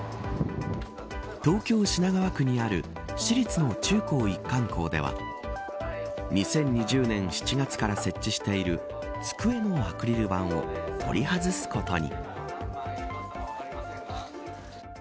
東京、品川区にある私立の中高一貫校では２０２０年７月から設置している机のアクリル板を取り外すことに。